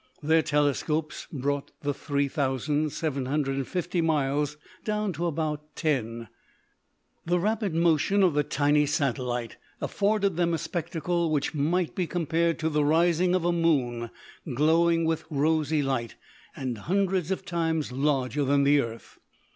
Their telescopes brought the three thousand seven hundred and fifty miles down to about ten. The rapid motion of the tiny satellite afforded them a spectacle which might be compared to the rising of a moon glowing with rosy light and hundreds of times larger than the earth.